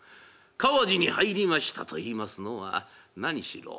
川路に入りましたといいますのは何しろ